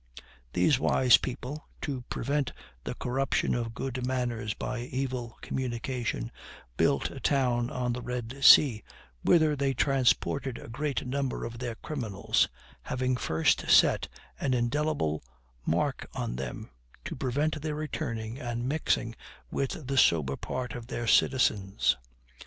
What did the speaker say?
That wise people, to prevent the corruption of good manners by evil communication, built a town on the Red Sea, whither they transported a great number of their criminals, having first set an indelible mark on them, to prevent their returning and mixing with the sober part of their citizens.